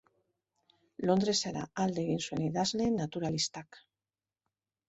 Londresera alde egin zuen idazle naturalistak.